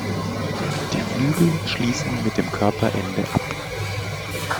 Die Flügel schließen mit dem Körperende ab.